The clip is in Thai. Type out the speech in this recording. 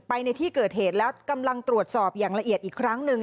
ในที่เกิดเหตุแล้วกำลังตรวจสอบอย่างละเอียดอีกครั้งหนึ่ง